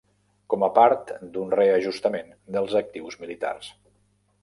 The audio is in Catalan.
Com a part d'un reajustament dels actius militars.